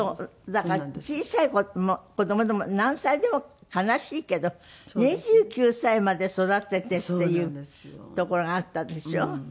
だから小さい子供でも何歳でも悲しいけど２９歳まで育ててっていうところがあったでしょ？